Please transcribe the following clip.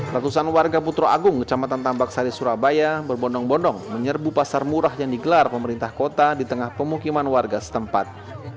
ratusan warga putra agung kecamatan tambak sari surabaya berbondong bondong menyerbu pasar murah yang digelar pemerintah kota di tengah pemukiman warga setempat